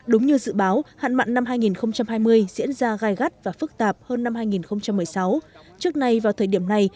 đúng như dự báo hạn mặn năm hai nghìn hai mươi diễn ra gai gắt và phức tạp hơn năm hai nghìn một mươi sáu trước nay vào thời điểm này